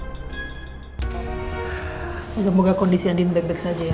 semoga moga kondisi andin baik baik saja ya